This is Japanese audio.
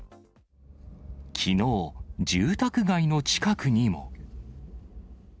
きのう、住宅街の近くにも。